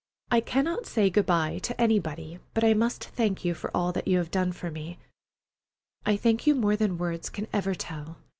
I cannot say good by to anybody, but I must thank you for all you have done for me. I thank you more than words can ever tell.